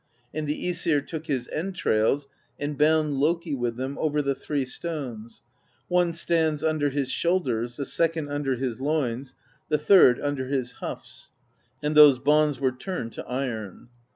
And the i^sir took his entrails and bound Loki with them over the three stones: one stands under his shoulders, the second under his loins, the third under his houghs; and those bonds were turned to iron.